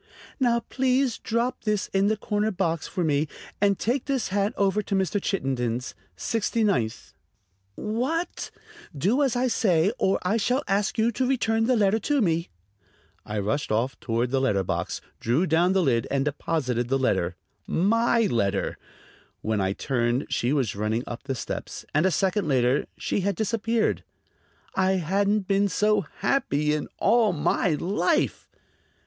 "Now, please, drop this in the corner box for me, and take this hat over to Mr. Chittenden's Sixty ninth." "What " "Do as I say, or I shall ask you to return the letter to me." I rushed off toward the letter box, drew down the lid, and deposited the letter my letter. When I turned she was running up the steps, and a second later she had disappeared. I hadn't been so happy in all my life!